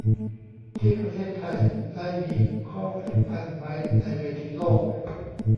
ที่ประเทศไทยได้มีข้อผูกพันไว้ในเวทีโลก